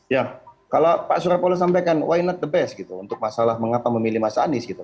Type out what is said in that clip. ya kalau pak surya palo sampaikan why not the best gitu untuk masalah mengapa memilih mas anies gitu